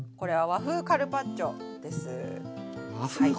和風カルパッチョ。